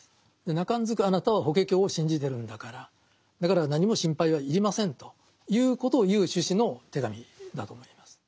なかんずくあなたは「法華経」を信じてるんだからだから何も心配は要りませんということを言う趣旨の手紙だと思います。